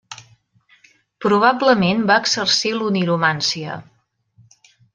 Probablement va exercir l'oniromància.